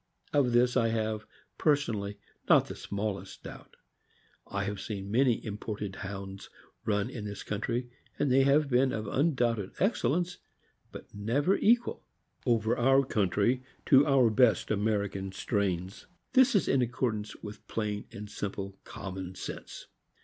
Of this I have, personally, not the smallest doubt. I have seen many imported Hounds run in this country, and they have been of undoubted excellence, but never equal, over our country, to our best American strains. This is in accordance with plain and simple com mon sense.